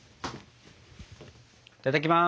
いただきます。